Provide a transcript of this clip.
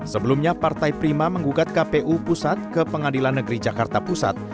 sebelumnya partai prima menggugat kpu pusat ke pengadilan negeri jakarta pusat